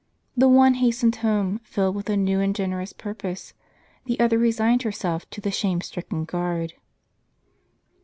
The one hastened home, filled with a new and generous purpose; the other resigned herself to the shame stricken guard.